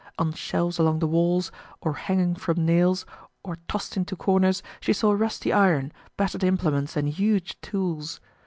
On shelves along the walls, or hanging from nails, or tossed into corners, she saw rusty iron, battered implements and huge tools.